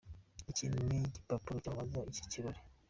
Iki ni igipapuro cyamamaza iki kirori.